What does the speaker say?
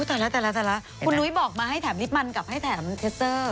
แต่ละแต่ละคุณนุ้ยบอกมาให้แถมลิฟต์มันกลับให้แถมเทสเซอร์